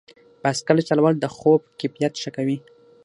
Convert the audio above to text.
بایسکل چلول د خوب کیفیت ښه کوي.